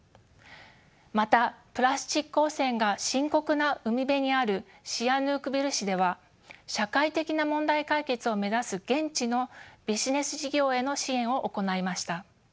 またプラスチック汚染が深刻な海辺にあるシアヌークビル市では社会的な問題解決を目指す現地のビジネス事業への支援を行いました。